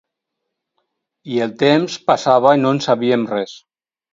I el temps passava i no en sabíem res.